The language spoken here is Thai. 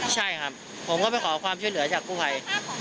ใช่ครับผมก็ไปขอความช่วยเหลือจากกู้ภัย